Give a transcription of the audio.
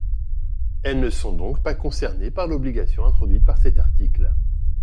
Elles ne sont donc pas concernées par l’obligation introduite par cet article.